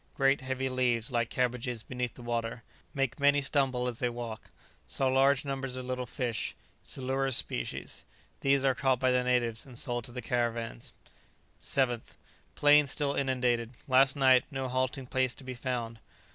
Great heavy leaves, like cabbages, beneath the water, make many stumble as they walk. Saw large numbers of little fish, silurus species; these are caught by the natives, and sold to the caravans. 7th. Plain still inundated. Last night, no halting place to be found.